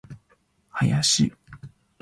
林